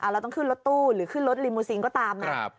เราต้องขึ้นรถตู้หรือขึ้นรถลิมูซิงก็ตามนะ